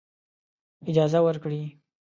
اجازه ورکړي.